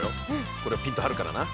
これをピンと張るからな。